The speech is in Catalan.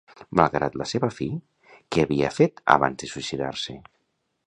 Malgrat la seva fi, què havia fet abans de suïcidar-se?